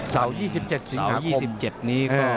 เสาร์๒๗สิงหาคม